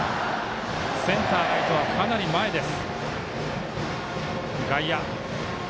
センター、ライトはかなり前です。